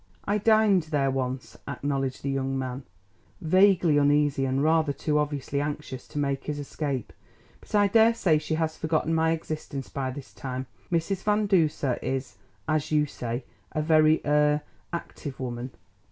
"I dined there once," acknowledged the young man, vaguely uneasy and rather too obviously anxious to make his escape, "but I dare say she has forgotten my existence by this time. Mrs. Van Duser is, as you say, a very er active woman."